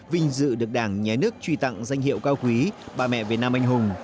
vinh dự được đảng nhà nước truy tặng danh hiệu cao quý bà mẹ việt nam anh hùng